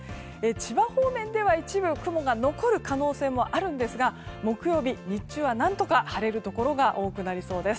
千葉方面では一部雲が残る可能性もあるんですが木曜日、日中は何とか晴れるところが多くなりそうです。